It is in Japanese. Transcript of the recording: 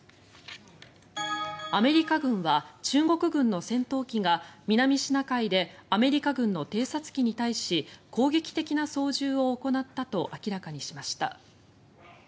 アメリカ軍は中国軍の戦闘機が南シナ海でアメリカ軍の偵察機に対し攻撃的な操縦を行ったと明らかにしました。